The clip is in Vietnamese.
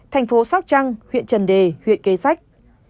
thành phố sóc trăng huyện trần đề huyện kế sách